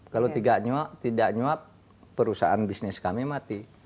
kalau tidak nyuap perusahaan bisnis kami mati